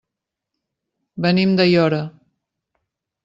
Venim d'Aiora.